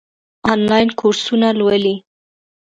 آنلاین کورسونه لولئ؟